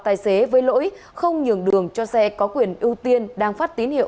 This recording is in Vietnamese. tài xế với lỗi không nhường đường cho xe có quyền ưu tiên đang phát tín hiệu